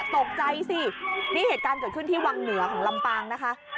ตกใจสินี่เหตุการณ์เกิดขึ้นที่วังเหนือของลำปางนะคะ